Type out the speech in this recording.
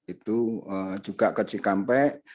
itu juga ke cikampek